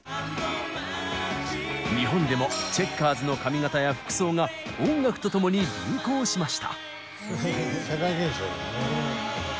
日本でもチェッカーズの髪型や服装が音楽と共に流行しました。